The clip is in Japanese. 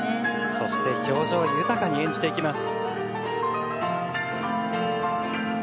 そして表情豊かに演じていきます。